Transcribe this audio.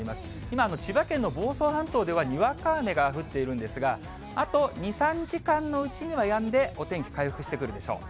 今、千葉県の房総半島では、にわか雨が降っているんですが、あと２、３時間のうちにはやんで、お天気回復してくるでしょう。